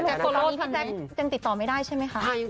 แล้วพี่แจ๊งยังติดต่อไม่ได้ใช่ไหมครับ